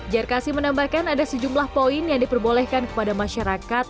jarkasi menambahkan ada sejumlah poin yang diperbolehkan kepada masyarakat